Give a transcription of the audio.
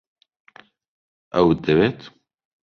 ئەوت دەوێت؟